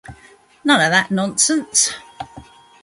None of that nonsense!